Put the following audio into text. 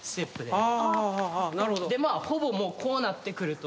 でまあほぼこうなってくると。